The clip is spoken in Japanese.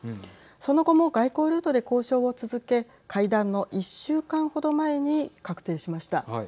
その後も外交ルートで交渉を続け会談の１週間程前に確定しました。